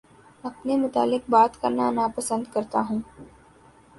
اپنے متعلق بات کرنا نا پسند کرتا ہوں